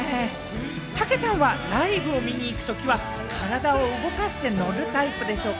たけたんはライブを見に行くときは、体を動かしてのるタイプでしょうか？